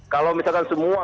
kalau misalkan semua